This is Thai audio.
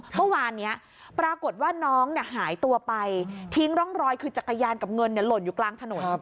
เมื่อวานนี้ปรากฏว่าน้องหายตัวไปทิ้งร่องรอยคือจักรยานกับเงินหล่นอยู่กลางถนน